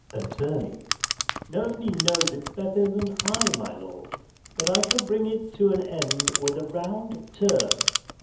Att. Nobody knows it better than I, my lord: but I shall bring it to an end with a round turn.